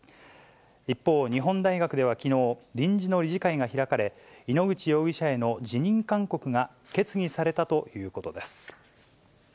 一方、日本大学ではきのう、臨時の理事会が開かれ、井ノ口容疑者への辞任勧告が決議されたということです。